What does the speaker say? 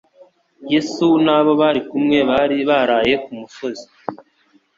Yesu n'abo bari kumwe bari baraye ku musozi,